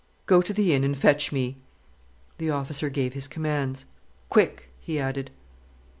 "Go to the inn and fetch me...." the officer gave his commands. "Quick!" he added.